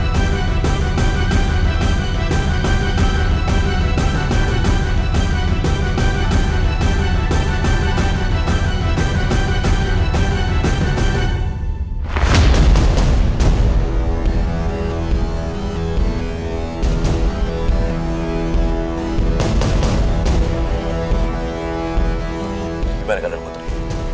bagaimana kadang putri